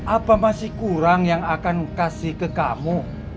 apa masih kurang yang akan kasih ke kamu